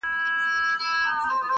o بې ما بې شل نه کړې.